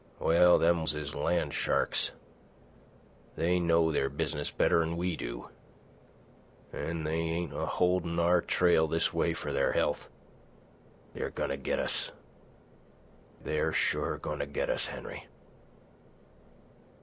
"Well, them wolves is land sharks. They know their business better'n we do, an' they ain't a holdin' our trail this way for their health. They're goin' to get us. They're sure goin' to get us, Henry."